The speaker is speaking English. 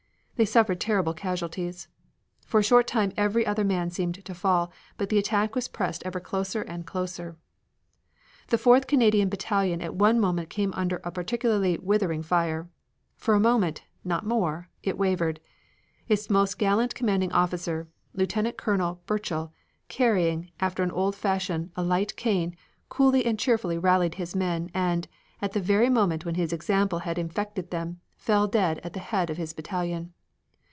They suffered terrible casualties. For a short time every other man seemed to fall, but the attack was pressed ever closer and closer. The Fourth Canadian battalion at one moment came under a particularly withering fire. For a moment not more it wavered. Its most gallant commanding officer, Lieutenant Colonel Burchill, carrying, after an old fashion, a light cane, coolly and cheerfully rallied his men and, at the very moment when his example had infected them, fell dead at the head of his battalion.